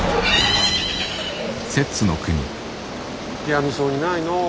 やみそうにないのう。